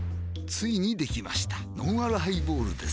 ついにできましたのんあるハイボールです